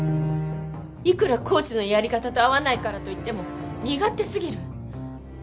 いくらコーチのやり方と合わないからと言っても身勝手すぎる。